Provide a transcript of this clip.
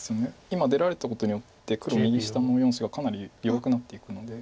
今出られたことによって黒右下の４子がかなり弱くなっていくので。